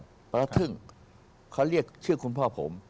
หมีน้อยปัทธึ่งเขาเรียกคุณพ่อผม